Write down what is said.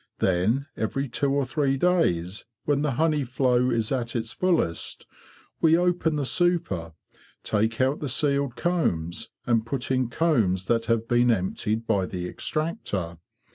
Then, every two or three days, when the honey flow is at its fullest, we open the super, take out the sealed combs, and put in combs that have been emptied by the extractor.